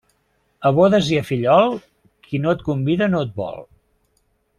A bodes i a fillol, qui no et convida no et vol.